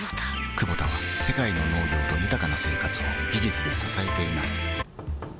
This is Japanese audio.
クボタは世界の農業と豊かな生活を技術で支えています起きて。